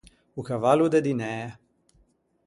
O cavallo de dinæ.